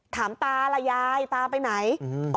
ถามตาล่ะยายตาไปไหน